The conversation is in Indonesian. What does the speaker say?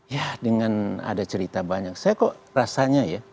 ya dengan ada cerita banyak saya kok rasanya ya